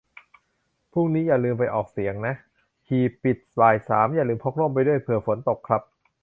พรุ่งนี้อย่าลืมไปออกเสียงนะ ; หีบปิดบ่ายสาม อย่าลืมพกร่มไปด้วย เผื่อฝนตกครับ